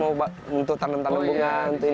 terus mau muntut tanem tanem bunga